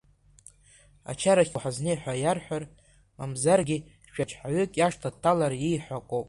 Ачарахь уҳазнеи хәа иарҳәар, мамзаргьы шәаџьҳәаҩык иашҭа дҭалар, ииҳәо акоуп…